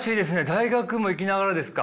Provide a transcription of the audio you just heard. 大学も行きながらですか？